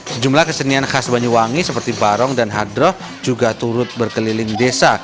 sejumlah kesenian khas banyuwangi seperti barong dan hadroh juga turut berkeliling desa